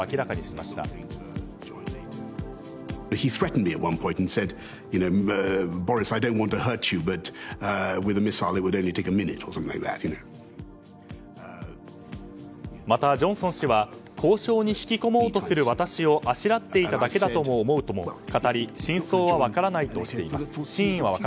また、ジョンソン氏は交渉に引き込もうとする私をあしらっていただけだと思うとも語り真意は分からないとしています。